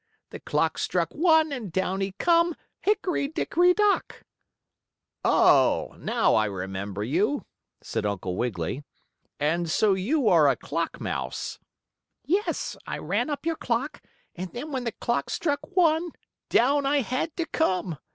The clock struck one, And down he come, Hickory Dickory Dock!'" "Oh, now I remember you," said Uncle Wiggily. "And so you are a clock mouse." "Yes, I ran up your clock, and then when the clock struck one, down I had to come.